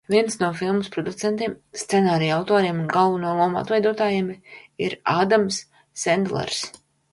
Viens no filmas producentiem, scenārija autoriem un galveno lomu atveidotājiem ir Ādams Sendlers.